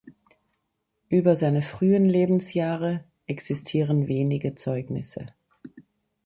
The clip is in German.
Über seine frühen Lebensjahre existieren wenige Zeugnisse.